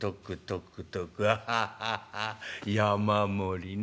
アハハハ山盛りね。